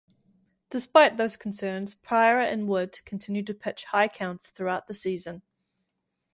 Despite those concerns, Prior and Wood continued to pitch high counts throughout the season.